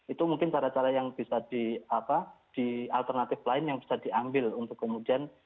itu mungkin cara cara yang bisa di alternatif lain yang bisa diambil untuk kemudian